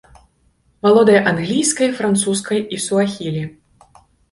Валодае англійскай, французскай і суахілі.